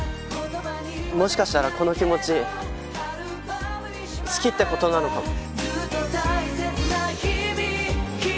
もしかしたらこの気持ち好きって事なのかも。